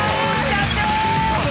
社長！